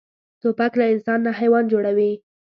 توپک له انسان نه حیوان جوړوي.